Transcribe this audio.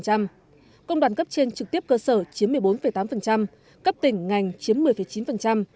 công đoàn cấp trên trực tiếp cơ sở chiếm một mươi bốn tám cấp tỉnh ngành chiếm một mươi chín